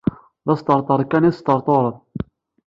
D asṭerṭer kan i tesṭerṭured.